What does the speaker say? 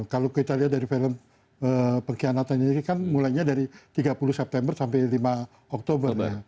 kalau kita lihat dari film pengkhianatan ini kan mulainya dari tiga puluh september sampai lima oktober